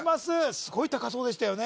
すごい高そうでしたよね